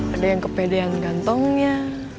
ada yang kepedean gantongnya